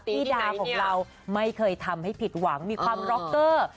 พี่ดาของเราไม่เคยทำให้ผิดหวังมีความร็อกเกอร์